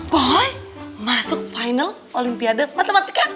boy masuk final olimpiade matematika